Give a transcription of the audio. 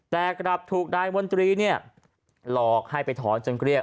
แต่กลับถูกนายมนตรีเนี่ยหลอกให้ไปถอนจนเกลี้ย